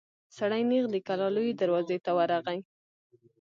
سړی نېغ د کلا لويي دروازې ته ورغی.